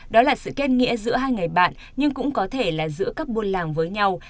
đó là sự kết nghĩa giữa hai người bạn nhưng cũng có thể là giữa các buôn làng với nhau